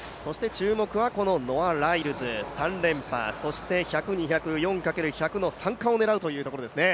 注目はこのノア・ライルズ３連覇、そして１００、２００、４×１００の３冠を狙うというところですね。